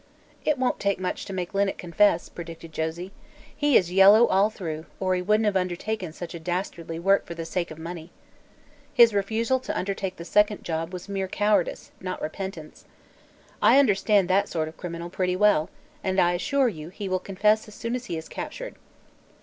"It wont take much to make Linnet confess," predicted Josie. "He is yellow all through, or he wouldn't have undertaken such dastardly work for the sake of money. His refusal to undertake the second job was mere cowardice, not repentance. I understand that sort of criminal pretty well, and I assure you he will confess as soon as he is captured."